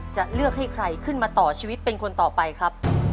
จะเลือกให้ใครขึ้นมาต่อชีวิตเป็นคนต่อไปครับ